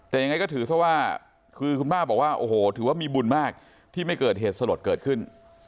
แต่ยังไงก็ถือซะว่าคือคุณป้าบอกว่าโอ้โหถือว่ามีบุญมากที่ไม่เกิดเหตุสลดเกิดขึ้น